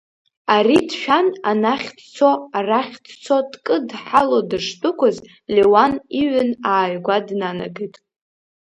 Ари дшәан, анахь дцо, арахь дцо, дкыдҳало дышдәықәыз, Леуан иҩн ааигәа днанагет.